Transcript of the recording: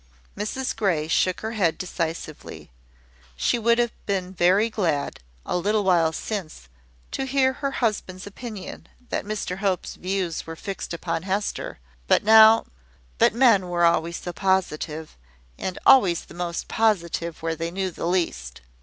Mrs Grey shook her head decisively. She should have been very glad, a little while since, to hear her husband's opinion that Mr Hope's views were fixed upon Hester; but now . But men were always so positive; and always the most positive where they knew the least!